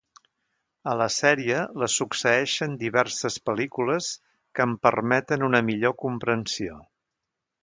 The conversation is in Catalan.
A la sèrie la succeeixen diverses pel·lícules que en permeten una millor comprensió.